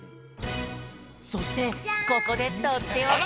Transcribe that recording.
そしてここでとっておき！